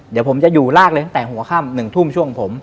เดี๋ยวผมจะอยู่ลากเลยตั้งแต่หัวค่ำ๑ทุ่มช่วงผม